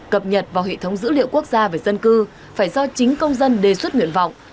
cập nhật vào hệ thống dữ liệu quốc gia về dân cư phải do chính công dân đề xuất nguyện vọng